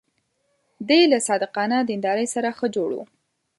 دی له صادقانه دیندارۍ سره ښه جوړ و.